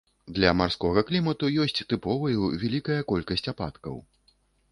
Для марскога клімату ёсць тыповаю вялікая колькасць ападкаў.